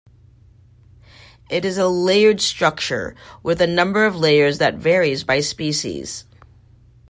It is a layered structure, with a number of layers that varies by species.